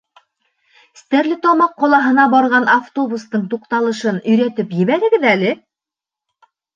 Стәрлетамаҡ ҡалаһына барған автобустың туҡталышын өйрәтел ебәрегеҙ әле?